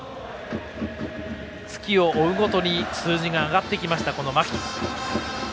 月を追うごとに数字が上がってきました、牧。